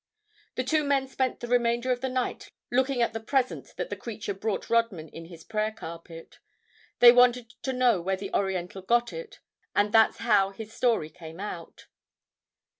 The two men spent the remainder of the night looking at the present that the creature brought Rodman in his prayer carpet. They wanted to know where the Oriental got it, and that's how his story came out.